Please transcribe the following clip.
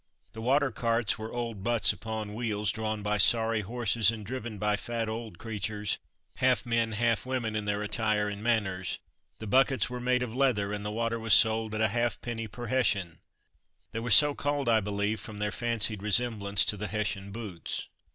The water carts were old butts upon wheels, drawn by sorry horses and driven by fat old creatures, half men half women in their attire and manners. The buckets were made of leather and the water was sold at a halfpenny per Hessian. They were so called, I believe, from their fancied resemblance to the Hessian boots.